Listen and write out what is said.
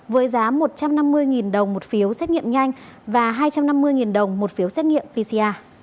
với giá một trăm năm mươi đồng một phiếu xét nghiệm nhanh và hai trăm năm mươi đồng một phiếu xét nghiệm pcr